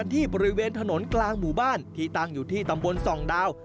ที่บริเวณถนนกลางหมู่บ้านที่ตั้งอยู่ที่ตำบลส่องดาว